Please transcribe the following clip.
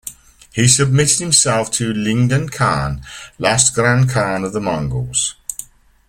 He submitted himself to Ligdan Khan, last grand khan of the Mongols.